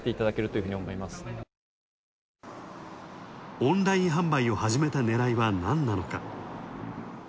オンライン販売を始めた狙いはなんなのか？